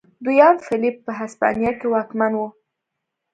دویم فلیپ په هسپانیا کې واکمن و.